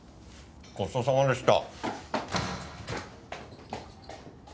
ごちそうさまでした。